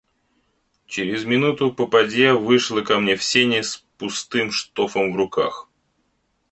Через минуту попадья вышла ко мне в сени с пустым штофом в руках.